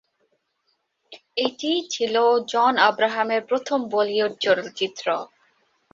এটিই ছিল জন আব্রাহামের প্রথম বলিউড চলচ্চিত্র।